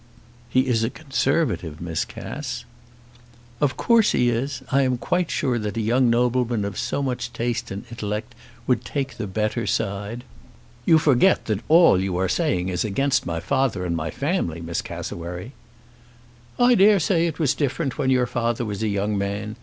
"He is a Conservative, Miss Cass." "Of course he is. I am quite sure that a young nobleman of so much taste and intellect would take the better side." "You forget that all you are saying is against my father and my family, Miss Cassewary." "I dare say it was different when your father was a young man.